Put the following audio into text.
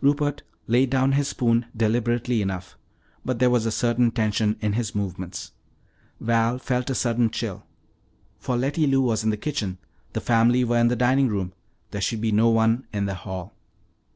Rupert laid down his spoon deliberately enough, but there was a certain tension in his movements. Val felt a sudden chill. For Letty Lou was in the kitchen, the family were in the dining room. There should be no one in the hall.